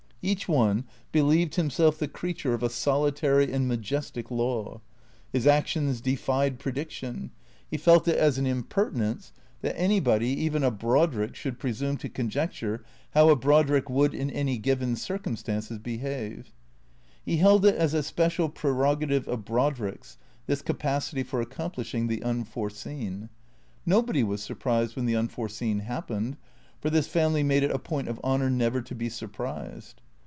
Each one believed himself the creature of a solitary and 260 THECSEATORS 261 majestic law. His actions defied prediction. He felt it as an impertinence that anybody, even a Brodrick, should presume to conjecture how a Brodrick would, in any given circumstances, behave. He held it a special prerogative of Brodricks, this capacity for accomplishing the unforeseen. Nobody was sur prised when the unforeseen happened; for this family made it a point of honour never to be surprised.